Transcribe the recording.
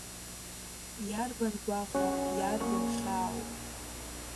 Иарбан гәаҟроу, иарбан хьаау…